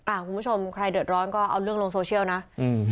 คุณผู้ชมใครเดือดร้อนก็เอาเรื่องลงโซเชียลนะอืม